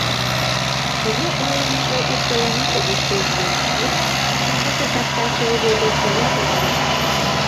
Тыге ойлымыжо иктыланат огеш келше: нуно мландым кызытак, таче огыл гын, эрлак налнешт.